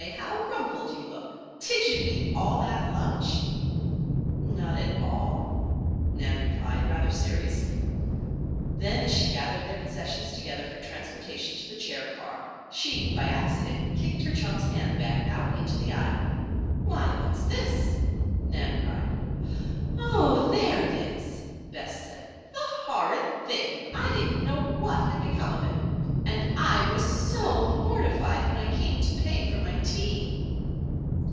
how rumpled you look! Did you eat all that lunch?" "Not all," Nan replied, rather seriously. Then, as she gathered their possessions together for transportation to the chair car she, by accident, kicked her chum's hand bag out into the aisle. "Why! what's this?" Nan cried. "Oh! there it is," Bess said. "The horrid thing! I didn't know what had become of it. And I was so mortified when I came to pay for my tea."